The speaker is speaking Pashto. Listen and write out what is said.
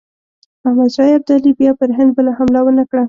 احمدشاه ابدالي بیا پر هند بله حمله ونه کړه.